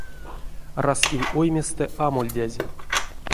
Раськень ойместэ амольдязь.